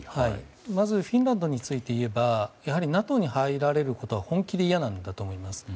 まず、フィンランドについてはＮＡＴＯに入られることが本気で嫌なんだと思います。